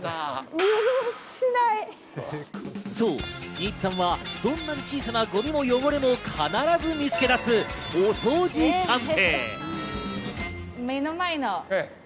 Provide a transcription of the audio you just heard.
新津さんはどんなに小さなゴミも汚れも必ず見つけ出す、お掃除探偵。